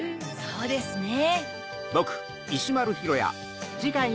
そうですね。